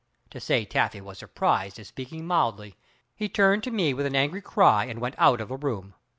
To say Taffy was surprised is speaking mildly. He turned to me with an angry cry and went out of the room.